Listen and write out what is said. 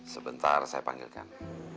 sebentar saya panggilkan